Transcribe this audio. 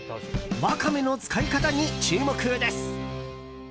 ワカメの使い方に注目です。